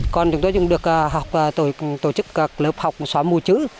còn chúng tôi cũng được tổ chức các lớp học xóa mùa chữ